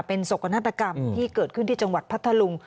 เป็นโศกนาฏกรรมที่เกิดขึ้นที่จังหวัดพัทธลุง